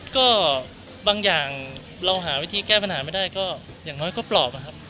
ก็บางอย่างเราหาวิธีแก้ปัญหาไม่ได้ก็อย่างน้อยก็ปลอบนะครับ